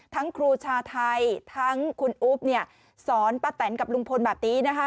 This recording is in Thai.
ครูชาไทยทั้งคุณอุ๊บเนี่ยสอนป้าแตนกับลุงพลแบบนี้นะคะ